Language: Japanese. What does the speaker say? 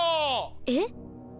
えっ？